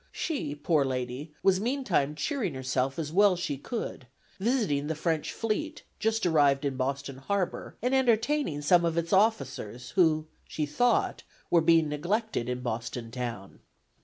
She, poor lady, was meantime cheering herself as well as she could; visiting the French fleet, just arrived in Boston Harbor, and entertaining some of its officers, who, she thought, were being neglected in Boston town.